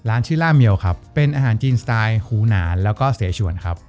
ชื่อล่าเมียวครับเป็นอาหารจีนสไตล์หูหนานแล้วก็เสชวนครับ